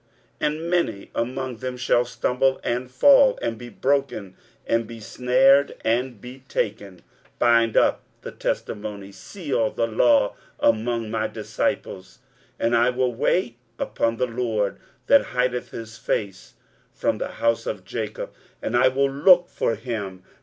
23:008:015 And many among them shall stumble, and fall, and be broken, and be snared, and be taken. 23:008:016 Bind up the testimony, seal the law among my disciples. 23:008:017 And I will wait upon the LORD, that hideth his face from the house of Jacob, and I will look for him.